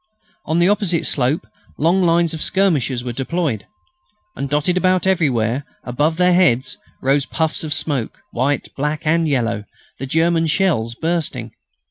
On the opposite slope long lines of skirmishers were deployed. And dotted about everywhere, above their heads, rose puffs of smoke white, black, and yellow the German shells bursting.